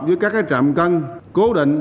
với các trạm cân cố định